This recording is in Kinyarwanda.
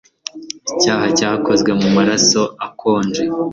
Icyaha cyakozwe mumaraso akonje